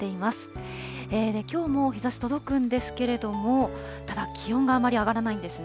きょうも日ざし届くんですけれども、ただ、気温があまり上がらないんですね。